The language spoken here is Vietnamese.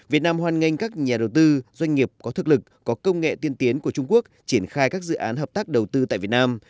việt nam hoan nghênh các nhà đầu tư doanh nghiệp có thực lực có công nghệ tiên tiến của trung quốc triển khai các dự án hợp tác đầu tư tại việt nam